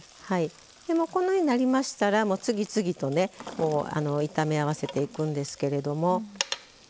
このようになりましたら次々と炒め合わせていくんですけども。